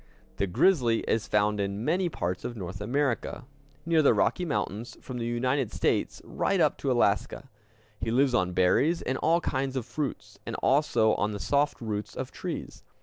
The grizzly is found in many parts of North America, near the Rocky Mountains, from the United States right up to Alaska. He lives on berries and all kinds of fruits, and also on the soft roots of trees.